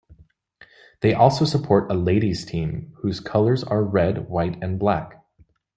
They also support a ladies' team, whose colours are red, white and black.